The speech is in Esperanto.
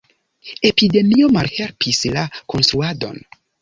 Epidemio malhelpis la konstruadon.